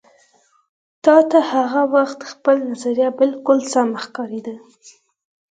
تا ته هغه وخت خپل نظر بالکل سم ښکارېده.